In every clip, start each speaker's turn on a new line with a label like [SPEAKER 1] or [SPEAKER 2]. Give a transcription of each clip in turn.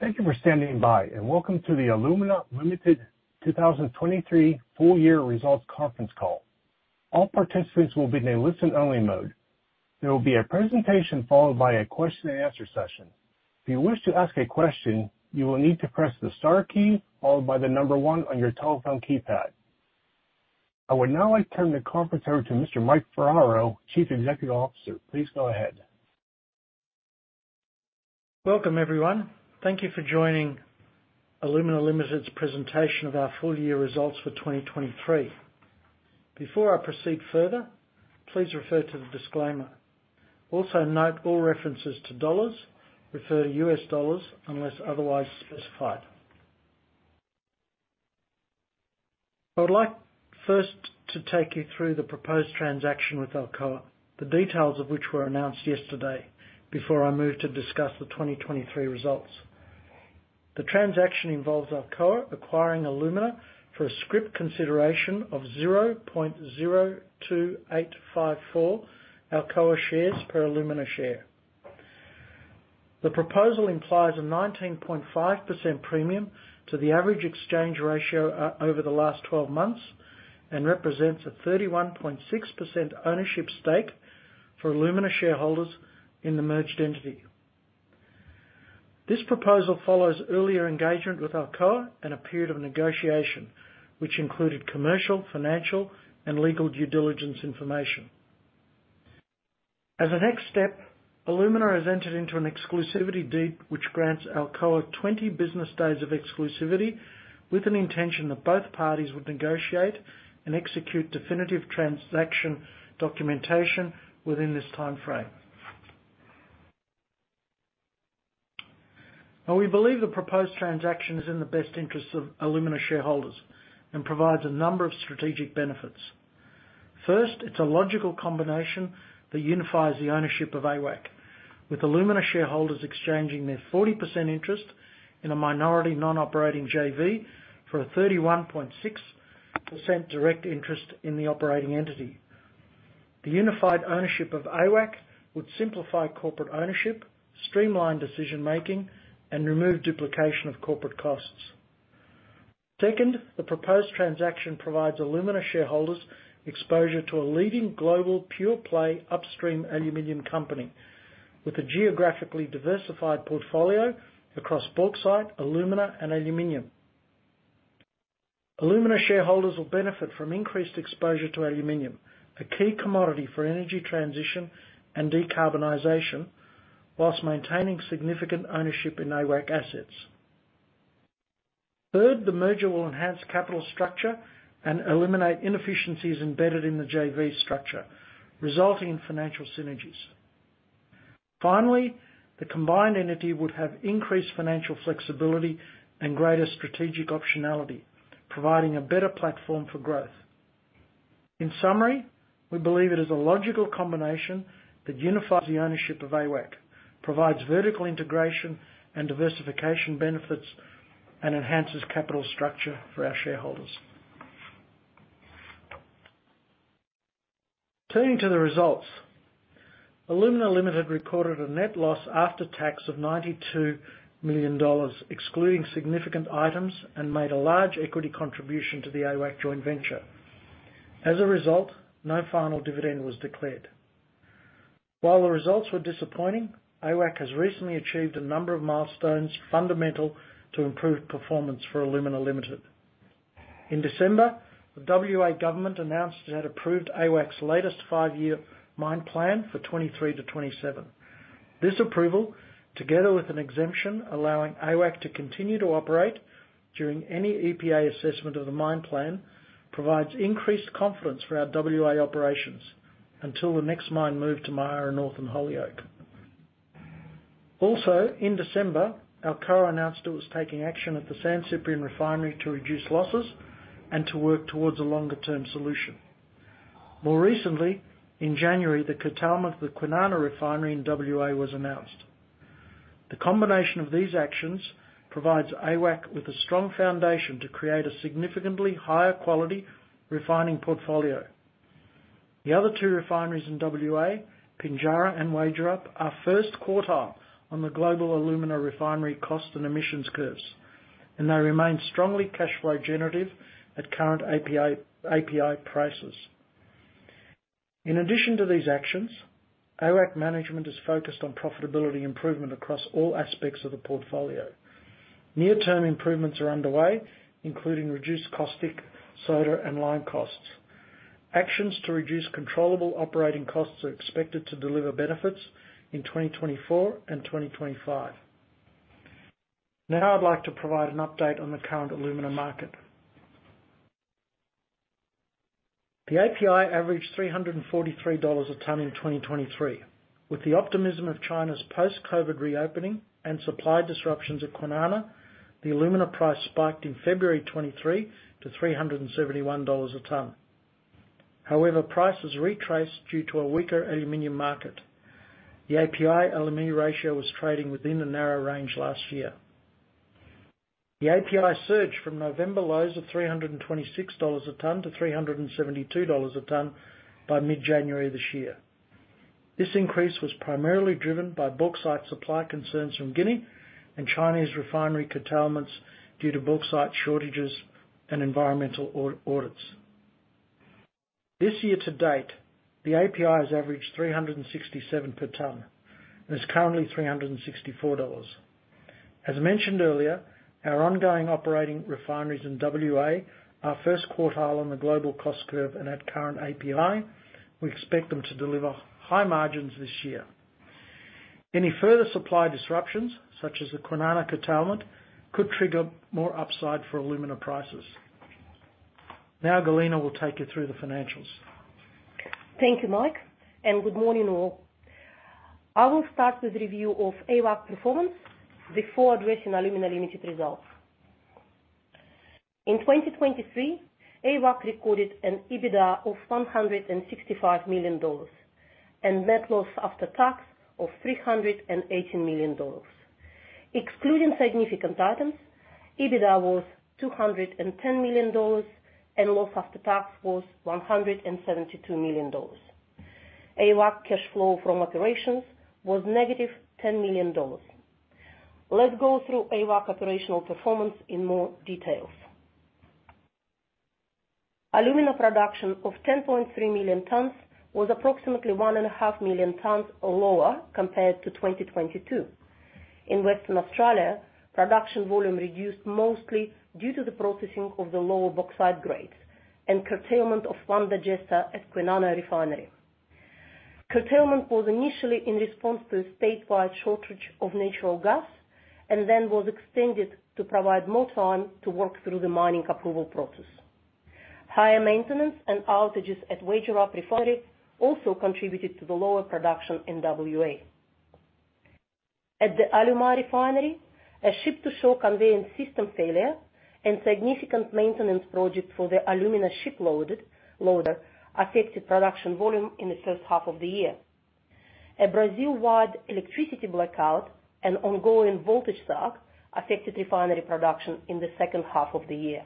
[SPEAKER 1] Thank you for standing by, and welcome to the Alumina Limited 2023 full year results conference call. All participants will be in a listen-only mode. There will be a presentation followed by a question-and-answer session. If you wish to ask a question, you will need to press the star key followed by the number one on your telephone keypad. I would now like to turn the conference over to Mr. Mike Ferraro, Chief Executive Officer. Please go ahead.
[SPEAKER 2] Welcome, everyone. Thank you for joining Alumina Limited's presentation of our full year results for 2023. Before I proceed further, please refer to the disclaimer. Also, note all references to dollars refer to U.S. dollars, unless otherwise specified. I would like first to take you through the proposed transaction with Alcoa, the details of which were announced yesterday, before I move to discuss the 2023 results. The transaction involves Alcoa acquiring Alumina for a scrip consideration of 0.02854 Alcoa shares per Alumina share. The proposal implies a 19.5% premium to the average exchange ratio over the last 12 months, and represents a 31.6% ownership stake for Alumina shareholders in the merged entity. This proposal follows earlier engagement with Alcoa and a period of negotiation, which included commercial, financial, and legal due diligence information. As a next step, Alumina has entered into an exclusivity deed, which grants Alcoa 20 business days of exclusivity, with an intention that both parties would negotiate and execute definitive transaction documentation within this timeframe. Now, we believe the proposed transaction is in the best interest of Alumina shareholders and provides a number of strategic benefits. First, it's a logical combination that unifies the ownership of AWAC, with Alumina shareholders exchanging their 40% interest in a minority non-operating JV for a 31.6% direct interest in the operating entity. The unified ownership of AWAC would simplify corporate ownership, streamline decision-making, and remove duplication of corporate costs. Second, the proposed transaction provides Alumina shareholders exposure to a leading global pure-play upstream aluminum company with a geographically diversified portfolio across bauxite, alumina, and aluminum. Alumina shareholders will benefit from increased exposure to aluminum, a key commodity for energy transition and decarbonization, while maintaining significant ownership in AWAC assets. Third, the merger will enhance capital structure and eliminate inefficiencies embedded in the JV structure, resulting in financial synergies. Finally, the combined entity would have increased financial flexibility and greater strategic optionality, providing a better platform for growth. In summary, we believe it is a logical combination that unifies the ownership of AWAC, provides vertical integration and diversification benefits, and enhances capital structure for our shareholders. Turning to the results, Alumina Limited recorded a net loss after tax of $92 million, excluding significant items, and made a large equity contribution to the AWAC joint venture. As a result, no final dividend was declared. While the results were disappointing, AWAC has recently achieved a number of milestones fundamental to improved performance for Alumina Limited. In December, the WA government announced it had approved AWAC's latest five-year mine plan for 2023-2027. This approval, together with an exemption allowing AWAC to continue to operate during any EPA assessment of the mine plan, provides increased confidence for our WA operations until the next mine move to Myara North and Holyoake. Also, in December, Alcoa announced it was taking action at the San Ciprián refinery to reduce losses and to work towards a longer-term solution. More recently, in January, the curtailment of the Kwinana refinery in WA was announced. The combination of these actions provides AWAC with a strong foundation to create a significantly higher quality refining portfolio. The other two refineries in WA, Pinjarra and Wagerup, are first quartile on the global alumina refinery cost and emissions curves, and they remain strongly cash flow generative at current API prices. In addition to these actions, AWAC management is focused on profitability improvement across all aspects of the portfolio. Near-term improvements are underway, including reduced caustic soda, and lime costs. Actions to reduce controllable operating costs are expected to deliver benefits in 2024 and 2025. Now, I'd like to provide an update on the current Alumina market. The API averaged $343 a ton in 2023. With the optimism of China's post-COVID reopening and supply disruptions at Kwinana, the alumina price spiked in February 2023 to $371 a ton. However, prices retraced due to a weaker aluminum market. The API Alumina ratio was trading within a narrow range last year.... The API surged from November lows of $326 a ton to $372 a ton by mid-January this year. This increase was primarily driven by bauxite supply concerns from Guinea and Chinese refinery curtailments due to bauxite shortages and environmental audits. This year to date, the API has averaged 367 per ton, and is currently $364. As mentioned earlier, our ongoing operating refineries in WA are first quartile on the global cost curve and at current API, we expect them to deliver high margins this year. Any further supply disruptions, such as the Kwinana curtailment, could trigger more upside for alumina prices. Now Galina will take you through the financials.
[SPEAKER 3] Thank you, Mike, and good morning, all. I will start with review of AWAC performance before addressing Alumina Limited results. In 2023, AWAC recorded an EBITDA of $165 million, and net loss after tax of $318 million. Excluding significant items, EBITDA was $210 million, and loss after tax was $172 million. AWAC cash flow from operations was -$10 million. Let's go through AWAC operational performance in more details. Alumina production of 10.3 million tons was approximately 1.5 million tons lower compared to 2022. In Western Australia, production volume reduced mostly due to the processing of the lower bauxite grades and curtailment of one digester at Kwinana Refinery. Curtailment was initially in response to a statewide shortage of natural gas, and then was extended to provide more time to work through the mining approval process. Higher maintenance and outages at Wagerup Refinery also contributed to the lower production in WA. At the Alumar refinery, a ship-to-shore conveyance system failure and significant maintenance project for the Alumina ship loader affected production volume in the first half of the year. A Brazil-wide electricity blackout and ongoing voltage sag affected refinery production in the second half of the year.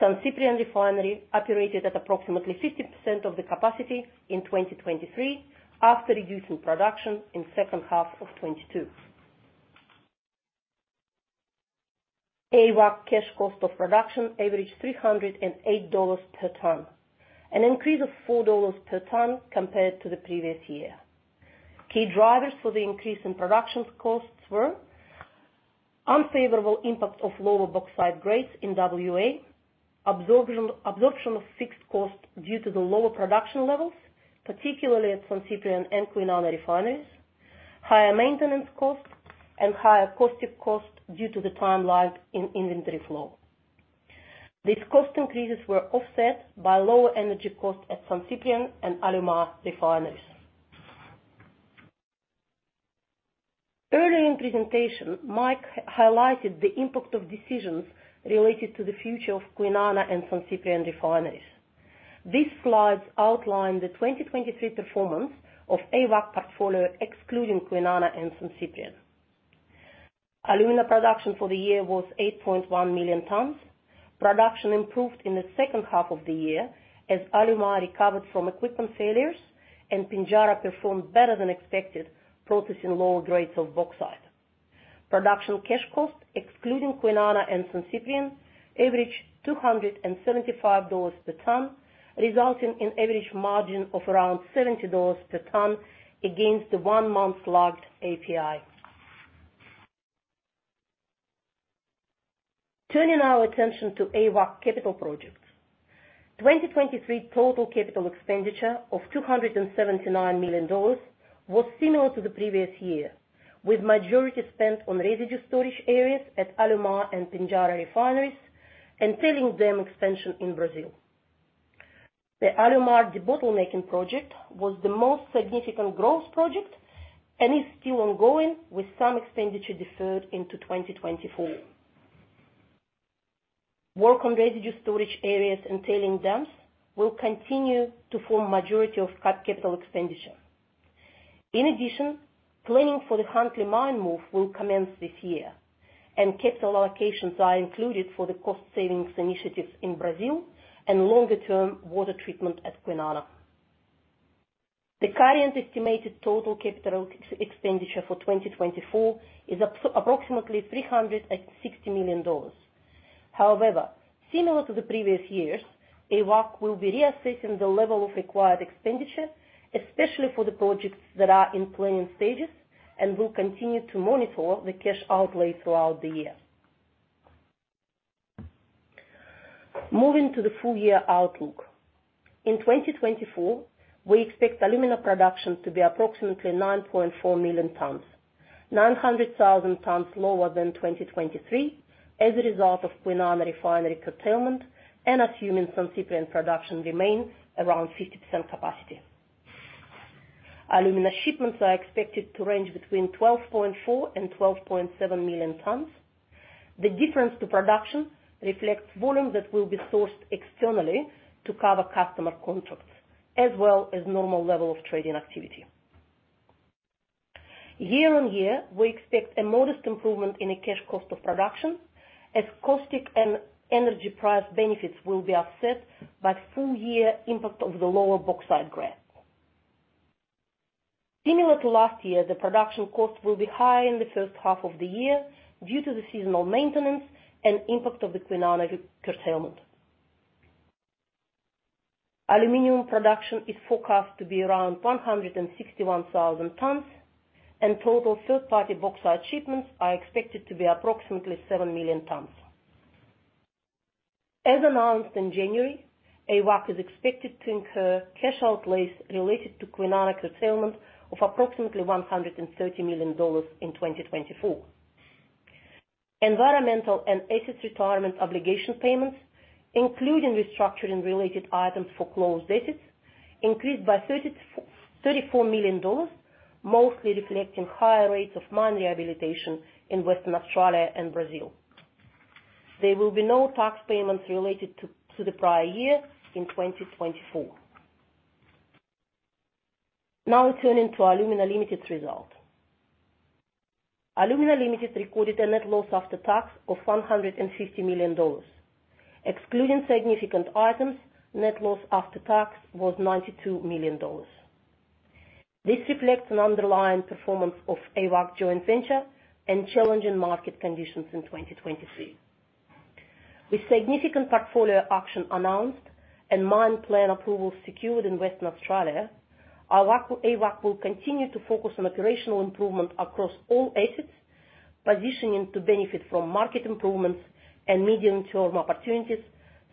[SPEAKER 3] San Ciprián refinery operated at approximately 50% of the capacity in 2023 after reducing production in second half of 2022. AWAC cash cost of production averaged $308 per ton, an increase of $4 per ton compared to the previous year. Key drivers for the increase in production costs were unfavorable impact of lower bauxite grades in WA, absorption of fixed costs due to the lower production levels, particularly at San Ciprián and Kwinana refineries, higher maintenance costs, and higher caustic costs due to the time lag in inventory flow. These cost increases were offset by lower energy costs at San Ciprián and Alumar refineries. Earlier in presentation, Mike highlighted the impact of decisions related to the future of Kwinana and San Ciprián refineries. These slides outline the 2023 performance of AWAC portfolio, excluding Kwinana and San Ciprián. Alumina production for the year was 8.1 million tons. Production improved in the second half of the year as Alumar recovered from equipment failures and Pinjarra performed better than expected, processing lower grades of bauxite. Production cash costs, excluding Kwinana and San Ciprián, averaged $275 per ton, resulting in average margin of around $70 per ton against the one-month lagged API. Turning our attention to AWAC capital projects. 2023 total capital expenditure of $279 million was similar to the previous year, with majority spent on residue storage areas at Alumar and Pinjarra refineries and tailings dam expansion in Brazil. The Alumar debottlenecking project was the most significant growth project and is still ongoing, with some expenditure deferred into 2024. Work on residue storage areas and tailings dams will continue to form majority of capital expenditure. In addition, planning for the Huntly mine move will commence this year, and capital allocations are included for the cost savings initiatives in Brazil and longer-term water treatment at Kwinana. The current estimated total capital expenditure for 2024 is approximately $360 million. However, similar to the previous years, AWAC will be reassessing the level of required expenditure, especially for the projects that are in planning stages, and will continue to monitor the cash outlay throughout the year. Moving to the full year outlook. In 2024, we expect alumina production to be approximately 9.4 million tons, 900,000 tons lower than 2023, as a result of Kwinana Refinery curtailment and assuming San Ciprián production remains around 50% capacity. Alumina shipments are expected to range between 12.4 million tons and 12.7 million tons. The difference to production reflects volume that will be sourced externally to cover customer contracts, as well as normal level of trading activity.... Year-on-year, we expect a modest improvement in the cash cost of production, as caustic and energy price benefits will be offset by full-year impact of the lower bauxite grade. Similar to last year, the production cost will be high in the first half of the year due to the seasonal maintenance and impact of the Kwinana curtailment. Aluminum production is forecast to be around 161,000 tons, and total third-party bauxite shipments are expected to be approximately 7 million tons. As announced in January, AWAC is expected to incur cash outlays related to Kwinana curtailment of approximately $130 million in 2024. Environmental and asset retirement obligation payments, including restructuring related items for closed assets, increased by $34 million, mostly reflecting higher rates of mine rehabilitation in Western Australia and Brazil. There will be no tax payments related to the prior year in 2024. Now turning to Alumina Limited result. Alumina Limited recorded a net loss after tax of $150 million. Excluding significant items, net loss after tax was $92 million. This reflects an underlying performance of AWAC joint venture and challenging market conditions in 2023. With significant portfolio action announced and mine plan approval secured in Western Australia, AWAC will continue to focus on operational improvement across all assets, positioning to benefit from market improvements and medium-term opportunities,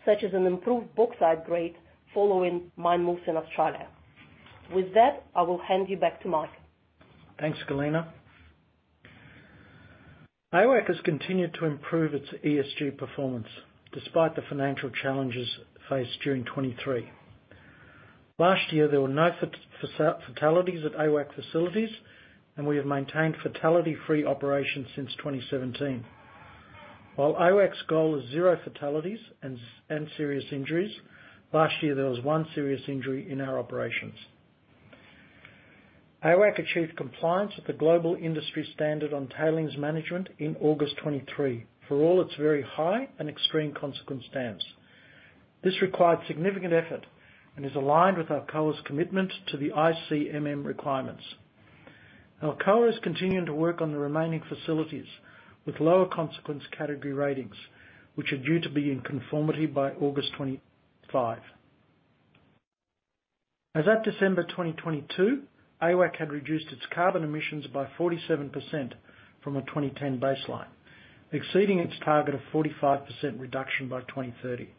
[SPEAKER 3] such as an improved bauxite grade following mine moves in Australia. With that, I will hand you back to Mike.
[SPEAKER 2] Thanks, Galina. AWAC has continued to improve its ESG performance despite the financial challenges faced during 2023. Last year, there were no fatalities at AWAC facilities, and we have maintained fatality-free operations since 2017. While AWAC's goal is zero fatalities and serious injuries, last year there was one serious injury in our operations. AWAC achieved compliance with the global industry standard on tailings management in August 2023 for all its very high and extreme consequence dams. This required significant effort and is aligned with Alcoa's commitment to the ICMM requirements. Alcoa is continuing to work on the remaining facilities with lower consequence category ratings, which are due to be in conformity by August 2025. As at December 2022, AWAC had reduced its carbon emissions by 47% from a 2010 baseline, exceeding its target of 45% reduction by 2030.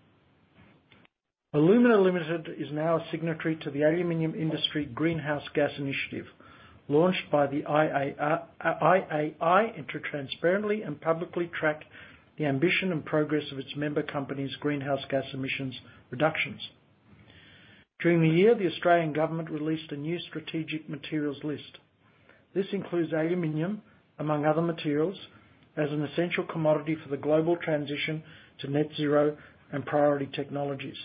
[SPEAKER 2] Alumina Limited is now a signatory to the Aluminium Industry Greenhouse Gas Initiative, launched by the IAI, and to transparently and publicly track the ambition and progress of its member companies' greenhouse gas emissions reductions. During the year, the Australian government released a new strategic materials list. This includes aluminum, among other materials, as an essential commodity for the global transition to net zero and priority technologies.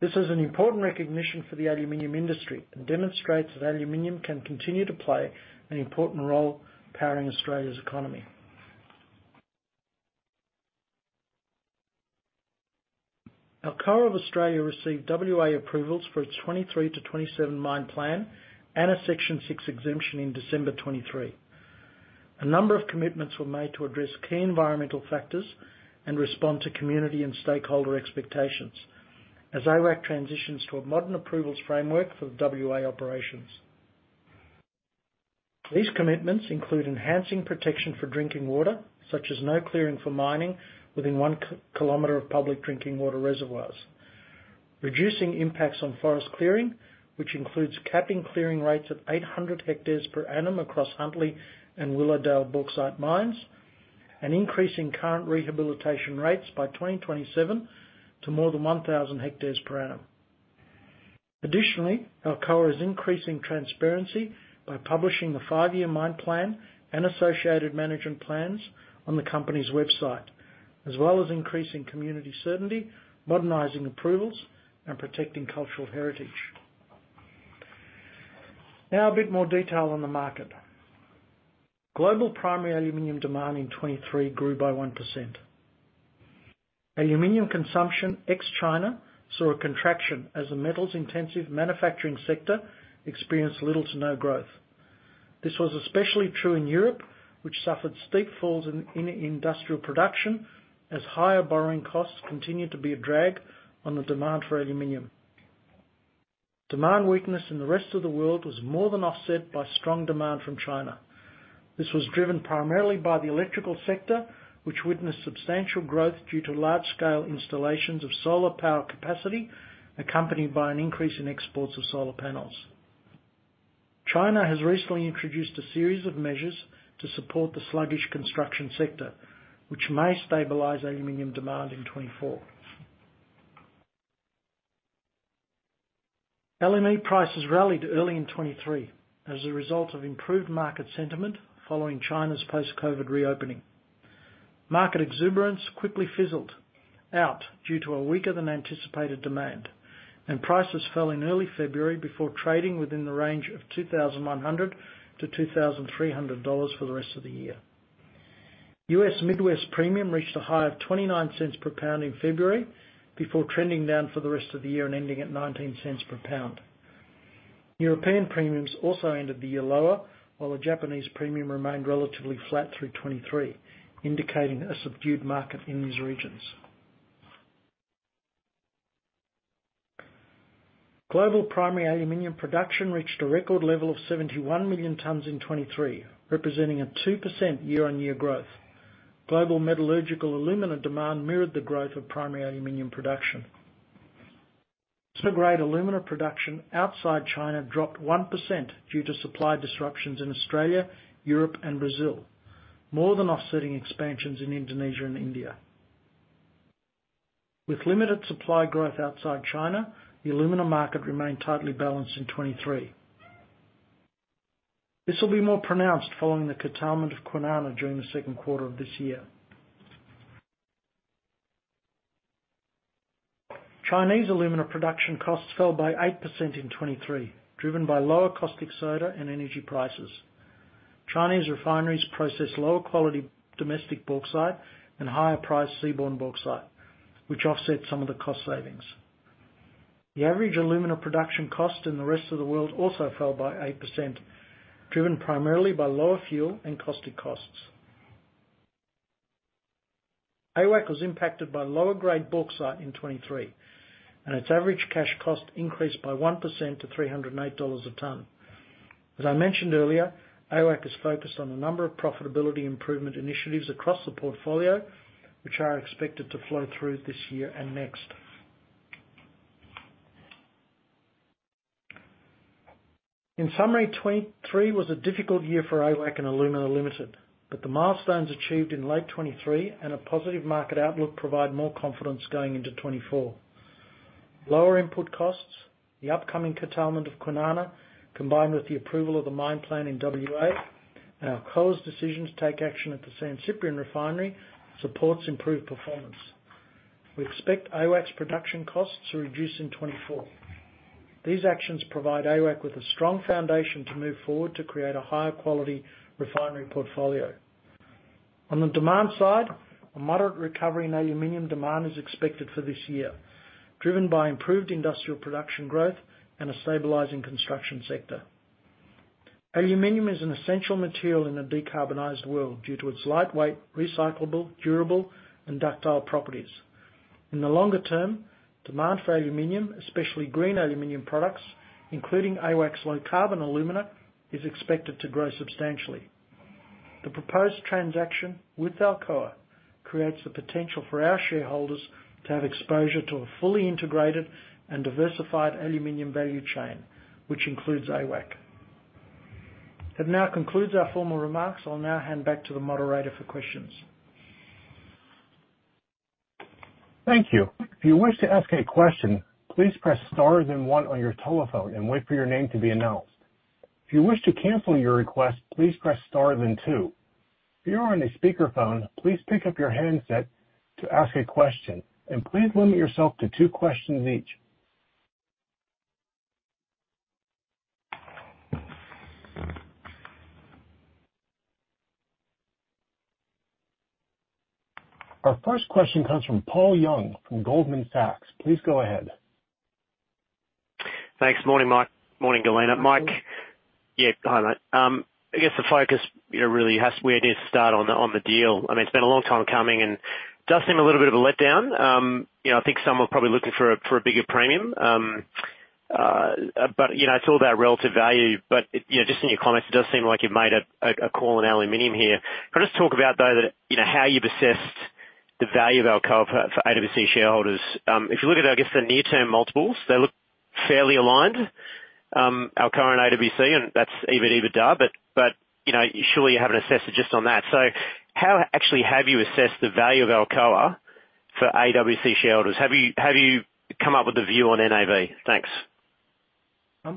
[SPEAKER 2] This is an important recognition for the aluminum industry and demonstrates that aluminum can continue to play an important role in powering Australia's economy. Alcoa of Australia received WA approvals for a 23-27 mine plan and a Section 6 exemption in December 2023. A number of commitments were made to address key environmental factors and respond to community and stakeholder expectations as AWAC transitions to a modern approvals framework for the WA operations. These commitments include enhancing protection for drinking water, such as no clearing for mining within 1 km of public drinking water reservoirs. Reducing impacts on forest clearing, which includes capping clearing rates at 800 hectares per annum across Huntly and Willowdale bauxite mines, and increasing current rehabilitation rates by 2027 to more than 1,000 hectares per annum. Additionally, Alcoa is increasing transparency by publishing the 5-year mine plan and associated management plans on the company's website, as well as increasing community certainty, modernizing approvals, and protecting cultural heritage. Now, a bit more detail on the market. Global primary aluminum demand in 2023 grew by 1%. Aluminum consumption ex-China saw a contraction as the metals-intensive manufacturing sector experienced little to no growth. This was especially true in Europe, which suffered steep falls in industrial production as higher borrowing costs continued to be a drag on the demand for aluminum. Demand weakness in the rest of the world was more than offset by strong demand from China. This was driven primarily by the electrical sector, which witnessed substantial growth due to large-scale installations of solar power capacity, accompanied by an increase in exports of solar panels. China has recently introduced a series of measures to support the sluggish construction sector, which may stabilize aluminum demand in 2024. LME prices rallied early in 2023 as a result of improved market sentiment following China's post-COVID reopening. Market exuberance quickly fizzled out due to a weaker than anticipated demand, and prices fell in early February before trading within the range of $2,100-$2,300 for the rest of the year. U.S. Midwest premium reached a high of $0.29 per pound in February, before trending down for the rest of the year and ending at $0.19 per pound. European premiums also ended the year lower, while the Japanese premium remained relatively flat through 2023, indicating a subdued market in these regions. Global primary aluminum production reached a record level of 71 million tons in 2023, representing a 2% year-over-year growth. Global metallurgical alumina demand mirrored the growth of primary aluminum production. Global alumina production outside China dropped 1% due to supply disruptions in Australia, Europe and Brazil, more than offsetting expansions in Indonesia and India. With limited supply growth outside China, the Alumina market remained tightly balanced in 2023. This will be more pronounced following the curtailment of Kwinana during the second quarter of this year. Chinese Alumina production costs fell by 8% in 2023, driven by lower caustic soda and energy prices. Chinese refineries process lower quality domestic bauxite and higher priced seaborne bauxite, which offset some of the cost savings. The average Alumina production cost in the rest of the world also fell by 8%, driven primarily by lower fuel and caustic costs. AWAC was impacted by lower grade bauxite in 2023, and its average cash cost increased by 1% to $308 a ton. As I mentioned earlier, AWAC is focused on a number of profitability improvement initiatives across the portfolio, which are expected to flow through this year and next. In summary, 2023 was a difficult year for AWAC and Alumina Limited, but the milestones achieved in late 2023 and a positive market outlook provide more confidence going into 2024. Lower input costs, the upcoming curtailment of Kwinana, combined with the approval of the mine plan in WA, and our close decision to take action at the San Ciprián Refinery, supports improved performance. We expect AWAC's production costs to reduce in 2024. These actions provide AWAC with a strong foundation to move forward to create a higher quality refinery portfolio. On the demand side, a moderate recovery in aluminum demand is expected for this year, driven by improved industrial production growth and a stabilizing construction sector. Aluminum is an essential material in a decarbonized world due to its lightweight, recyclable, durable, and ductile properties. In the longer term, demand for aluminum, especially green aluminum products, including AWAC's low-carbon alumina, is expected to grow substantially. The proposed transaction with Alcoa creates the potential for our shareholders to have exposure to a fully integrated and diversified aluminum value chain, which includes AWAC. That now concludes our formal remarks. I'll now hand back to the moderator for questions.
[SPEAKER 1] Thank you. If you wish to ask a question, please press Star then one on your telephone and wait for your name to be announced. If you wish to cancel your request, please press Star then two. If you are on a speakerphone, please pick up your handset to ask a question, and please limit yourself to two questions each. Our first question comes from Paul Young, from Goldman Sachs. Please go ahead.
[SPEAKER 4] Thanks. Morning, Mike. Morning, Galina. Mike, yeah, hi, mate. I guess the focus, you know, really has we need to start on the deal. I mean, it's been a long time coming and does seem a little bit of a letdown. You know, I think some are probably looking for a bigger premium. But, you know, it's all about relative value. But, you know, just in your comments, it does seem like you've made a call on aluminum here. Can I just talk about, though, that, you know, how you've assessed the value of Alcoa for AWAC shareholders? If you look at, I guess, the near-term multiples, they look fairly aligned, Alcoa and AWAC, and that's EBITDA, but, you know, surely you haven't assessed it just on that. So how actually have you assessed the value of Alcoa for AWAC shareholders? Have you, have you come up with a view on NAV? Thanks.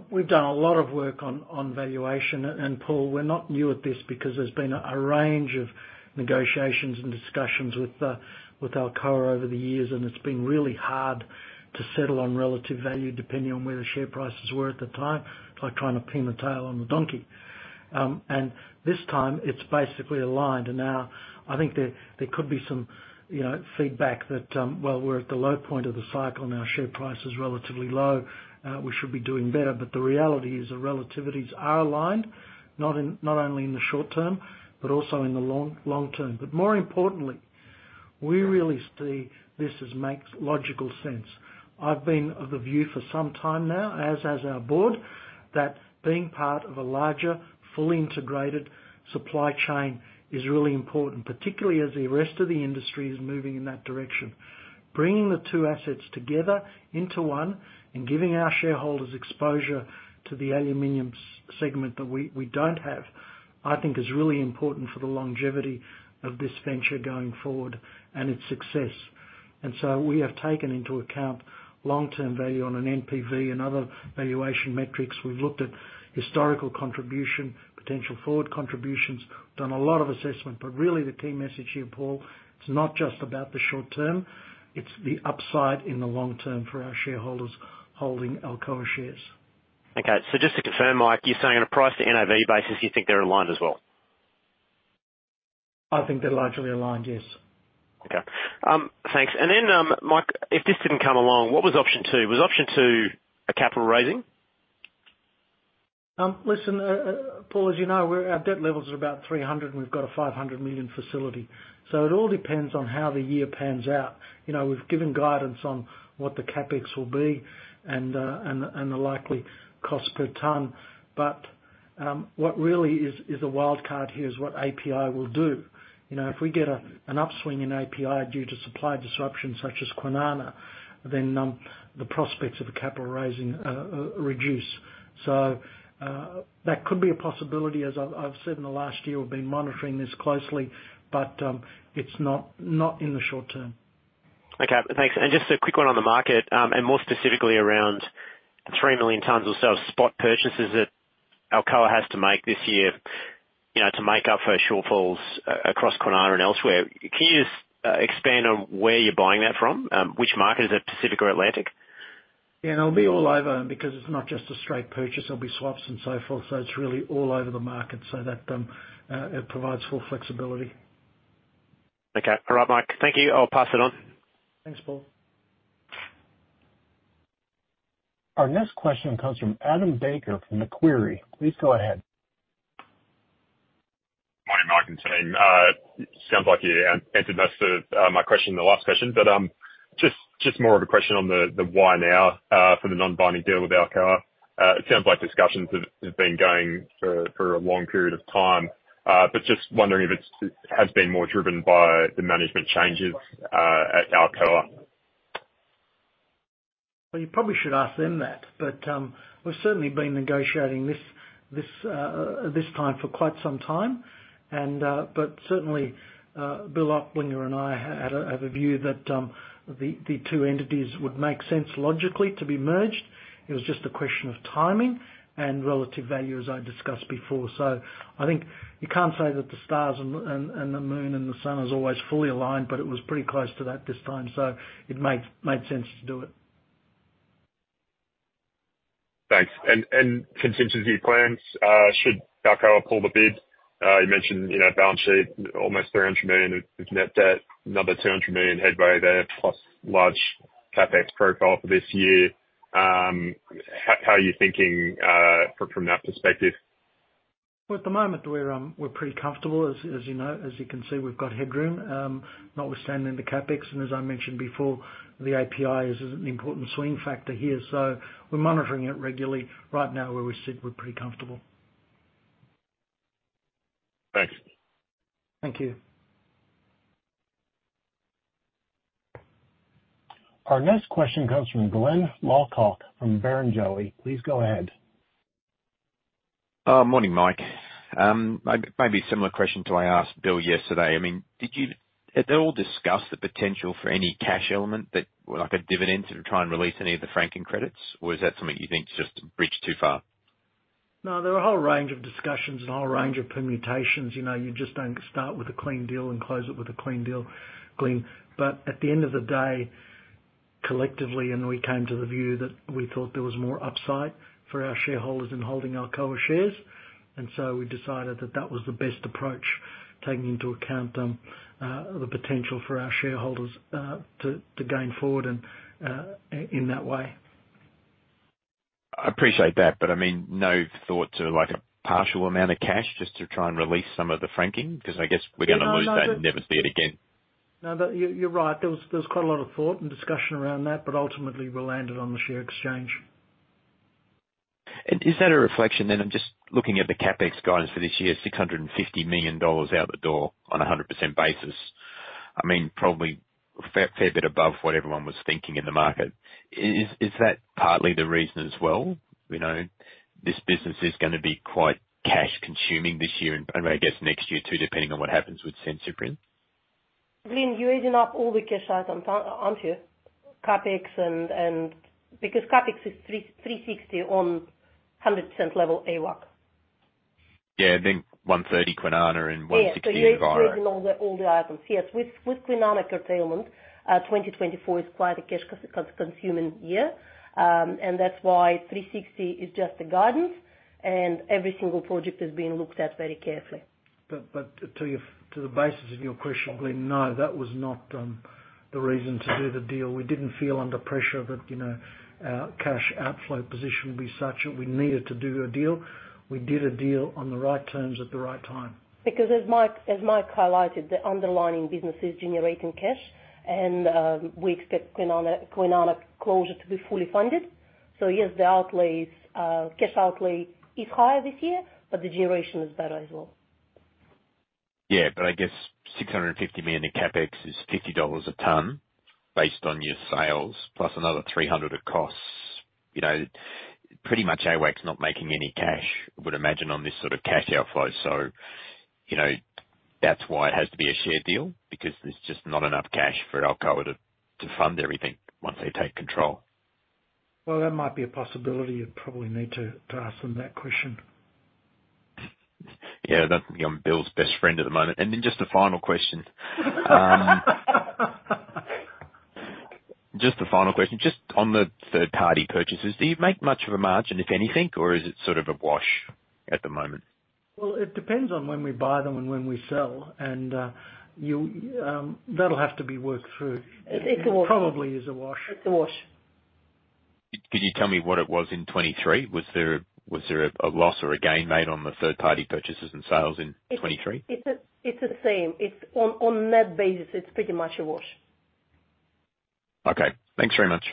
[SPEAKER 2] We've done a lot of work on valuation. And, Paul, we're not new at this because there's been a range of negotiations and discussions with Alcoa over the years, and it's been really hard to settle on relative value, depending on where the share prices were at the time. It's like trying to pin the tail on the donkey. And this time it's basically aligned, and now I think there could be some, you know, feedback that, well, we're at the low point of the cycle and our share price is relatively low, we should be doing better. But the reality is, the relativities are aligned, not only in the short term, but also in the long-term. But more importantly, we really see this as makes logical sense. I've been of the view for some time now, as our board, that being part of a larger, fully integrated supply chain is really important, particularly as the rest of the industry is moving in that direction. Bringing the two assets together into one and giving our shareholders exposure to the aluminum segment that we don't have, I think is really important for the longevity of this venture going forward and its success. So we have taken into account long-term value on an NPV and other valuation metrics. We've looked at historical contribution, potential forward contributions, done a lot of assessment, but really the key message here, Paul, it's not just about the short term, it's the upside in the long term for our shareholders holding Alcoa shares.
[SPEAKER 4] Okay. Just to confirm, Mike, you're saying on a price to NAV basis, you think they're aligned as well?
[SPEAKER 2] I think they're largely aligned, yes.
[SPEAKER 4] Okay. Thanks. And then, Mike, if this didn't come along, what was option two? Was option two a capital raising?
[SPEAKER 2] Listen, Paul, as you know, our debt levels are about $300 million, and we've got a $500 million facility, so it all depends on how the year pans out. You know, we've given guidance on what the CapEx will be and the likely cost per ton. But what really is the wild card here is what API will do. You know, if we get an upswing in API due to supply disruptions such as Kwinana, then the prospects of a capital raising reduce. So that could be a possibility. As I've said in the last year, we've been monitoring this closely, but it's not in the short term.
[SPEAKER 4] Okay, thanks. And just a quick one on the market, and more specifically around the 3 million tons or so of spot purchases that Alcoa has to make this year, you know, to make up for shortfalls across Kwinana and elsewhere. Can you just expand on where you're buying that from? Which markets, is it Pacific or Atlantic?
[SPEAKER 2] Yeah, it'll be all over, because it's not just a straight purchase. There'll be swaps and so forth, so it's really all over the market, so that it provides full flexibility.
[SPEAKER 4] Okay. All right, Mike. Thank you. I'll pass it on.
[SPEAKER 2] Thanks, Paul.
[SPEAKER 1] Our next question comes from Adam Baker from Macquarie. Please go ahead.
[SPEAKER 5] Morning, Mike and team. Sounds like you answered most of my question in the last question, but just more of a question on the why now for the non-binding deal with Alcoa. It sounds like discussions have been going for a long period of time, but just wondering if it's been more driven by the management changes at Alcoa?
[SPEAKER 2] Well, you probably should ask them that, but, we've certainly been negotiating this time for quite some time, and, but certainly, Bill Oplinger and I have a view that, the two entities would make sense logically to be merged. It was just a question of timing and relative value, as I discussed before. So I think you can't say that the stars and the moon and the sun is always fully aligned, but it was pretty close to that this time, so it made sense to do it.
[SPEAKER 5] Thanks. And contingency plans, you know, balance sheet, almost $300 million of net debt, another $200 million headway there, plus large CapEx profile for this year. How are you thinking from that perspective?
[SPEAKER 2] Well, at the moment, we're pretty comfortable, as you know, as you can see, we've got headroom, notwithstanding the CapEx, and as I mentioned before, the API is an important swing factor here, so we're monitoring it regularly. Right now, where we sit, we're pretty comfortable.
[SPEAKER 5] Thanks.
[SPEAKER 2] Thank you.
[SPEAKER 1] Our next question comes from Glyn Lawcock from Barrenjoey. Please go ahead.
[SPEAKER 6] Morning, Mike. Might be a similar question to I asked Bill yesterday. I mean, did you... Had they all discussed the potential for any cash element, that, like, a dividend, to try and release any of the franking credits? Or is that something you think is just a bridge too far?
[SPEAKER 2] No, there were a whole range of discussions and a whole range of permutations. You know, you just don't start with a clean deal and close it with a clean deal, Glynn. But at the end of the day, collectively, and we came to the view that we thought there was more upside for our shareholders in holding Alcoa shares, and so we decided that that was the best approach, taking into account, the potential for our shareholders, to gain forward and, in that way.
[SPEAKER 6] I appreciate that, but I mean, no thought to, like, a partial amount of cash just to try and release some of the franking? 'Cause I guess we're gonna lose that and never see it again.
[SPEAKER 2] No, but you're right. There was quite a lot of thought and discussion around that, but ultimately we landed on the share exchange.
[SPEAKER 6] Is that a reflection, then? I'm just looking at the CapEx guidance for this year, $650 million out the door on a 100% basis. I mean, probably a fair bit above what everyone was thinking in the market. Is that partly the reason as well? You know, this business is gonna be quite cash consuming this year, and I guess next year, too, depending on what happens with San Ciprián.
[SPEAKER 3] Glenn, you're adding up all the cash items, aren't you? CapEx, because CapEx is $3.36 on 100% level AWAC.
[SPEAKER 6] Yeah, I think 130 Kwinana and 160-
[SPEAKER 3] Yeah, so you're including all the, all the items. Yes, with, with Kwinana curtailment, 2024 is quite a cash consuming year. And that's why $360 is just the guidance, and every single project is being looked at very carefully.
[SPEAKER 2] But to the basis of your question, Glenn, no, that was not the reason to do the deal. We didn't feel under pressure that, you know, our cash outflow position would be such that we needed to do a deal. We did a deal on the right terms at the right time.
[SPEAKER 3] Because as Mike highlighted, the underlying business is generating cash, and we expect Kwinana closure to be fully funded. So yes, the outlays, cash outlay is higher this year, but the generation is better as well.
[SPEAKER 6] Yeah, but I guess $650 million in CapEx is $50 a ton, based on your sales, plus another $300 million of costs.... you know, pretty much AWAC is not making any cash, I would imagine, on this sort of cash outflow. So, you know, that's why it has to be a share deal? Because there's just not enough cash for Alcoa to fund everything once they take control.
[SPEAKER 2] Well, that might be a possibility. You'd probably need to ask them that question.
[SPEAKER 6] Yeah, that. I'm Bill's best friend at the moment. And then just a final question. Just on the third-party purchases, do you make much of a margin, if anything, or is it sort of a wash at the moment?
[SPEAKER 2] Well, it depends on when we buy them and when we sell, and that'll have to be worked through.
[SPEAKER 3] It's a wash.
[SPEAKER 2] It probably is a wash.
[SPEAKER 3] It's a wash.
[SPEAKER 6] Could you tell me what it was in 2023? Was there a loss or a gain made on the third-party purchases and sales in 2023?
[SPEAKER 3] It's the same. It's on net basis, it's pretty much a wash.
[SPEAKER 6] Okay. Thanks very much.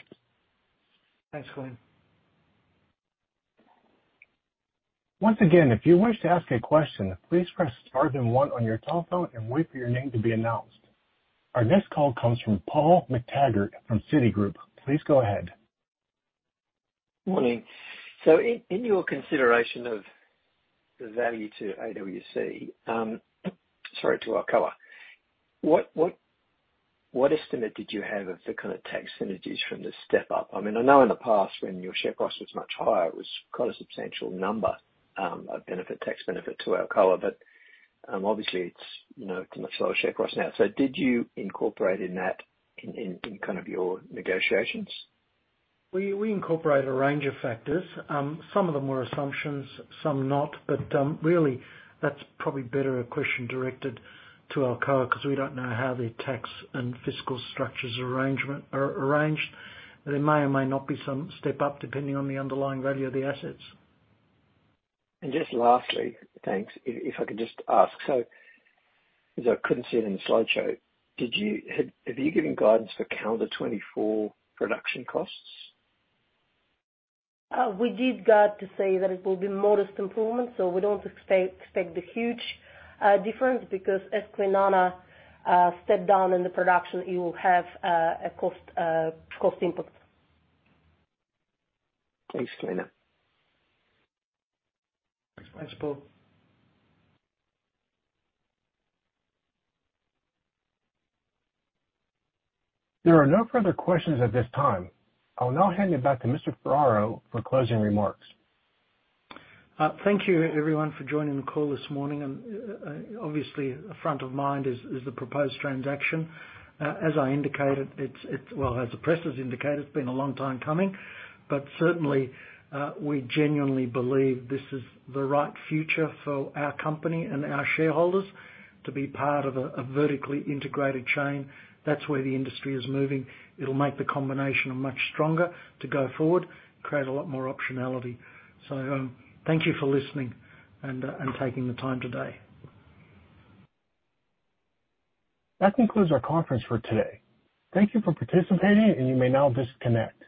[SPEAKER 2] Thanks, Glynn.
[SPEAKER 1] Once again, if you wish to ask a question, please press star then one on your telephone and wait for your name to be announced. Our next call comes from Paul McTaggart from Citigroup. Please go ahead.
[SPEAKER 7] Morning. So in your consideration of the value to AWAC, sorry, to Alcoa, what estimate did you have of the kind of tax synergies from this step-up? I mean, I know in the past, when your share price was much higher, it was quite a substantial number of benefit, tax benefit to Alcoa. But, obviously, it's, you know, it's a much lower share price now. So did you incorporate that in kind of your negotiations?
[SPEAKER 2] We incorporated a range of factors. Some of them were assumptions, some not. But really, that's probably better a question directed to Alcoa because we don't know how the tax and fiscal structures arrangement are arranged. There may or may not be some step-up, depending on the underlying value of the assets.
[SPEAKER 7] Just lastly, thanks, if I could just ask, so because I couldn't see it in the slideshow, have you given guidance for calendar 2024 production costs?
[SPEAKER 3] We did guide to say that it will be modest improvement, so we don't expect a huge difference, because as Kwinana step down in the production, you will have a cost input.
[SPEAKER 7] Thanks, Galina
[SPEAKER 2] Thanks, Paul.
[SPEAKER 1] There are no further questions at this time. I'll now hand it back to Mr. Ferraro for closing remarks.
[SPEAKER 2] Thank you, everyone, for joining the call this morning, and obviously, front of mind is the proposed transaction. As I indicated, well, as the press has indicated, it's been a long time coming. But certainly, we genuinely believe this is the right future for our company and our shareholders to be part of a vertically integrated chain. That's where the industry is moving. It'll make the combination much stronger to go forward, create a lot more optionality. So, thank you for listening and taking the time today.
[SPEAKER 1] That concludes our conference for today. Thank you for participating, and you may now disconnect.